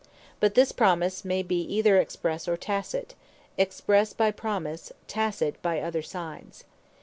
But this promise may be either expresse, or tacite: Expresse, by Promise: Tacite, by other signes.